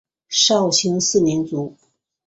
绍兴四年卒。